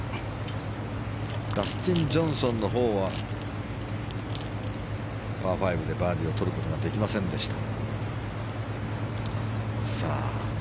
ダスティン・ジョンソンのほうはパー５でバーディーを取ることができませんでした。